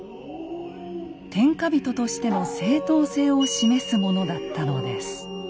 天下人としての正統性を示すものだったのです。